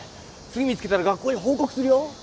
次見つけたら学校に報告するよ